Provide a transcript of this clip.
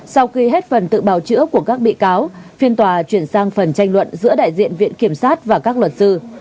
sau khi hết phần tự bào chữa của các bị cáo phiên tòa chuyển sang phần tranh luận giữa đại diện viện kiểm sát và các luật sư